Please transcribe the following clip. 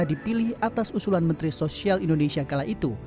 dipilih atas usulan menteri sosial indonesia kala itu